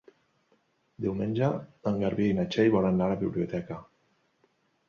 Diumenge en Garbí i na Txell volen anar a la biblioteca.